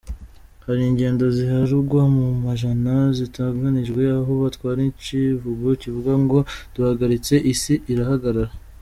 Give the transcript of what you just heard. Hari ingendo ziharugwa mu majana ziteganijwe, aho batwara icivugo kivuga ngo "duhagaritse, isi irahagarara".